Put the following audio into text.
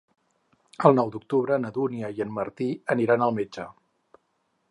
El nou d'octubre na Dúnia i en Martí aniran al metge.